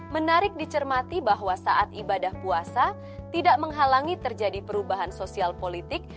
menarik dicermati bahwa saat ibadah puasa tidak menghalangi terjadi perubahan sosial politik